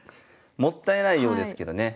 もったいないようですけどね。